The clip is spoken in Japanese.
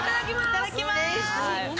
いただきます！